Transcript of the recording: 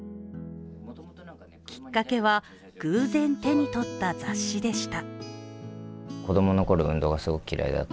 きっかけは偶然、手にとった雑誌でした。